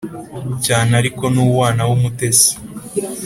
cyane ariko ni uwana w’umutesi”